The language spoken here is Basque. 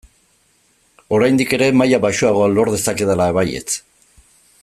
Oraindik ere maila baxuagoa lor dezakedala baietz!